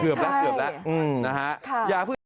เกือบแล้วเกือบแล้ว